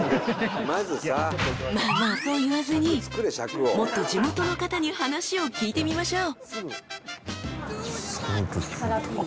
［まあまあそう言わずにもっと地元の方に話を聞いてみましょう］